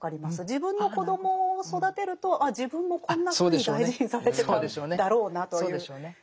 自分の子供を育てるとあっ自分もこんなふうに大事にされてたんだろうなという。